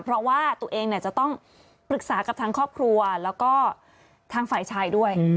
เพราะว่าตัวเองจะต้องปรึกษากับทางครอบครัวแล้วก็ทางฝ่ายชายด้วย